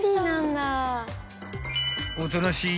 ［おとなしい